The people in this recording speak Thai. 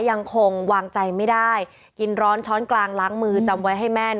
ยังคงวางใจไม่ได้กินร้อนช้อนกลางล้างมือจำไว้ให้แม่น